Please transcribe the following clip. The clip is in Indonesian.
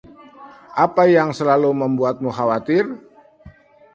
Apa yang selalu membuatmu khawatir?